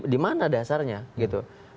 di mana dasarnya gitu